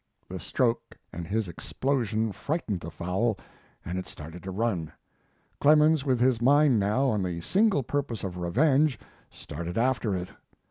The stroke and his explosion frightened the fowl, and it started to run. Clemens, with his mind now on the single purpose of revenge, started after it.